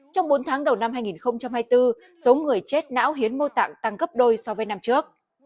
trong bốn tháng đầu năm hai nghìn hai mươi bốn số người chết não hiến mô tạng tăng gấp đôi so với năm trước